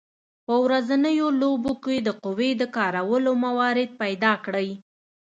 په ورځنیو لوبو کې د قوې د کارولو موارد پیداکړئ.